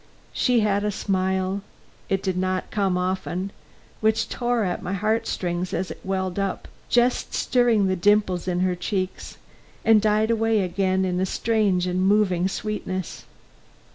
She had a smile it did not come often which tore at my heart strings as it welled up, just stirring the dimples in her cheeks, and died away again in a strange and moving sweetness.